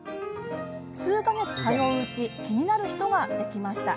数か月、通ううち気になる人ができました。